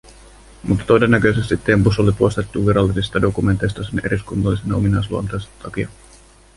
Mutta todennäköisesti Tempus oli poistettu virallisista dokumenteista sen eriskummallisen ominaisluonteensa takia.